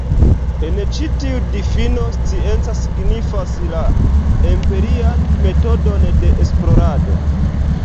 En ĉi tiu difino, scienca signifas la empirian metodon de esplorado.